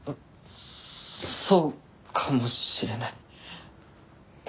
そうかもしれない。